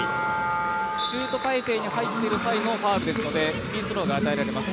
シュート体勢のファウルですのでフリースローが与えられます。